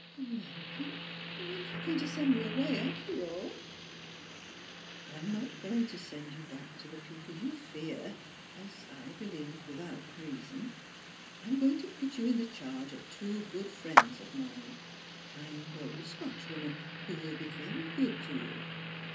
O, Malcolm, you are not going to send me away after all P "" I am not going to send you back to the people you fear — a3 I believe without reason. I am going to put you in the charge of two good friends of mine — kind old Scotch women, who will be very good to you."